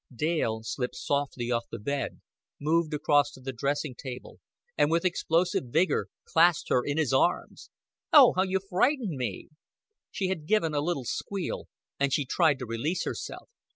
Dale slipped softly off the bed, moved across to the dressing table, and with explosive vigor clasped her in his arms. "Oh, how you frightened me!" She had given a little squeal, and she tried to release herself.